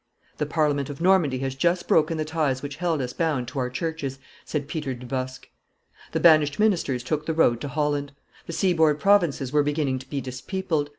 "The Parliament of Normandy has just broken the ties which held us bound to our churches," said Peter du Bosq. The banished ministers took the road to Holland. The seaboard provinces were beginning to be dispeopled.